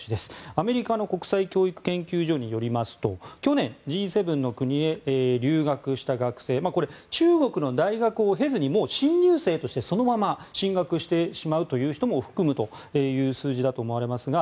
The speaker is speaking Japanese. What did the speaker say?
アメリカの国際教育研究所によりますと去年、Ｇ７の国へ留学した学生中国の大学を経ずに新入生としてそのまま進学してしまう人も含む数字だと思われますが。